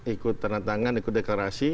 ikut tanda tangan ikut deklarasi